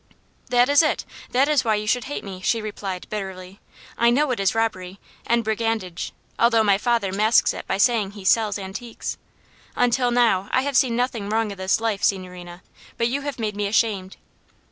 "That is it. That is why you should hate me," she replied, bitterly. "I know it is robbery, and brigandage, although my father masks it by saying he sells antiques. Until now I have seen nothing wrong in this life, signorina; but you have made me ashamed."